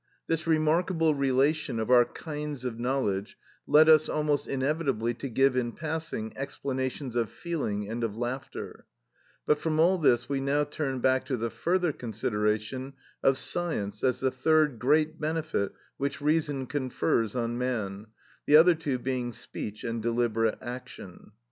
This remarkable relation of our kinds of knowledge led us almost inevitably to give, in passing, explanations of feeling and of laughter, but from all this we now turn back to the further consideration of science as the third great benefit which reason confers on man, the other two being speech and deliberate action.